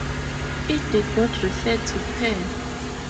It did not refer to par.